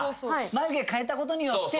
眉毛変えたことによって。